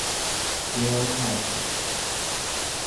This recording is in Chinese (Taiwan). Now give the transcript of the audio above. Realtek